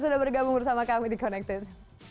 sudah bergabung bersama kami di connected